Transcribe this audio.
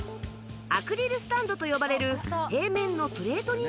アクリルスタンドと呼ばれる平面のプレート人形